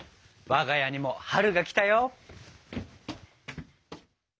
我が家にも春が来たよ。